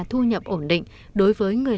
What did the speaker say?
thu nhập ổn định đối với người